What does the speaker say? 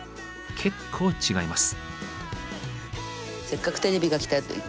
結構違います。